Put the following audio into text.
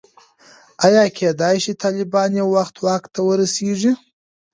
ایا کېدلای شي طالبان یو وخت واک ته ورسېږي.